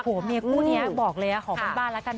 ผัวเมียคู่นี้บอกเลยอะขอบบ้านบ้านละกัน